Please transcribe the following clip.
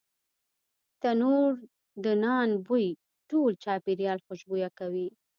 تنوردنان بوی ټول چاپیریال خوشبویه کوي.